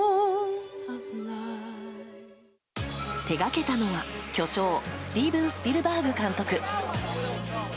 手掛けたのは、巨匠スティーブン・スピルバーグ監督。